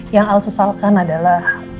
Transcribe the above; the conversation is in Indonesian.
yang al sesalkan adalah